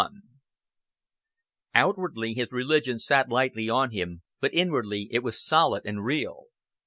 XXI Outwardly his religion sat lightly on him, but inwardly it was solid and real.